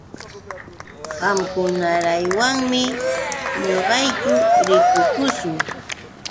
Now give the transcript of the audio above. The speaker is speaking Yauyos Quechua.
Qamkunawanmi ñuqayku ripukuśhun.